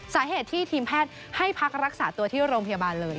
สาเหตุที่ทีมแพทย์ให้พักรักษาตัวที่โรงพยาบาลเลย